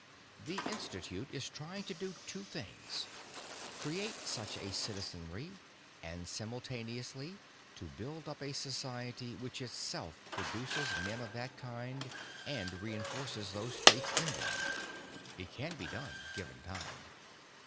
"The Institute is trying to do two things create such a citizenry and simultaneously to build up a society which itself produces men of that kind and reinforces those traits in them. It can be done, given time.